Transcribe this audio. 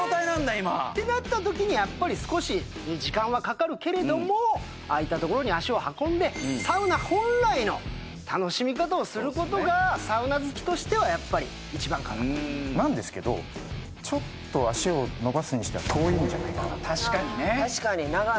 今てなったときにやっぱり少し時間はかかるけれどもああいったところに足を運んでことがサウナ好きとしてはやっぱり一番かなとなんですけどちょっと足を延ばすにしては遠いんじゃないかなと確かにね